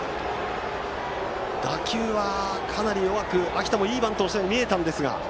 打球はかなり弱く秋田もいいバントをしたように見えたんですが。